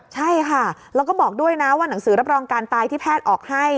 ใช่ค่ะแล้วก็บอกด้วยนะว่าหนังสือรับรองการตายที่แพทย์ออกให้